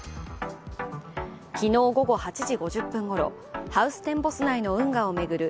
昨日午後８時５０分ごろハウステンボス内の運河を巡る